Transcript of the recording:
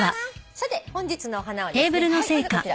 さて本日のお花はですね